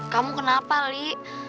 kamu kenapa li